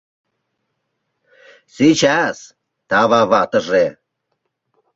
Сейчас! — тава ватыже.